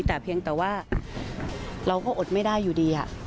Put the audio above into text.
แต่เพียงแต่ว่าเราก็อดไม่ได้อยู่ดี